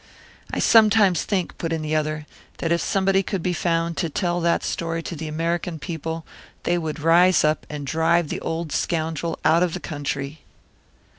"I sometimes think," put in the other, "that if somebody could be found to tell that story to the American people, they would rise up and drive the old scoundrel out of the country."